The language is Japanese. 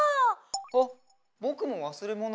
あっぼくもわすれもの。